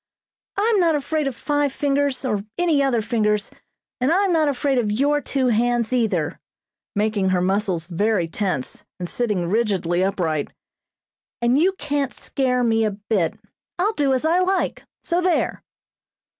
"I'm not afraid of 'Five Fingers' or any other fingers, and I'm not afraid of your two hands either," making her muscles very tense, and sitting rigidly upright, "and you can't scare me a bit; I'll do as I like, so there!"